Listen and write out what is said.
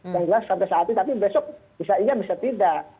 yang jelas sampai saat ini tapi besok bisa iya bisa tidak